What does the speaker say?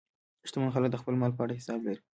شتمن خلک د خپل مال په اړه حساب لري.